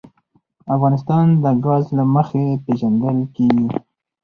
افغانستان د ګاز له مخې پېژندل کېږي.